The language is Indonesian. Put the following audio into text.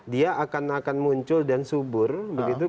dia akan akan muncul dan subur begitu